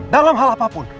dalam hal apapun